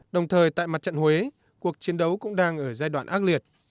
đồng thời tại mặt trận huế cuộc chiến đấu cũng đang ở giai đoạn ác liệt